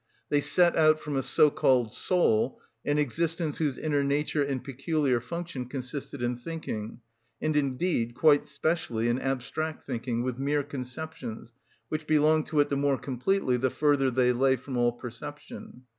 They set out from a so‐called soul, an existence whose inner nature and peculiar function consisted in thinking, and indeed quite specially in abstract thinking, with mere conceptions, which belonged to it the more completely the further they lay from all perception.